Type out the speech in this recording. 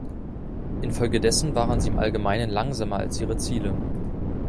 Infolgedessen waren sie im Allgemeinen langsamer als ihre Ziele.